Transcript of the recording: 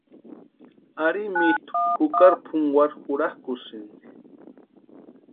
Ari mitʼu jukari pʼunkwarhi jurakʼusïnti.